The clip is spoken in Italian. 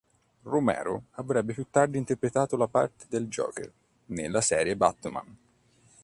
Romero avrebbe più tardi interpretato la parte del Joker nella serie "Batman".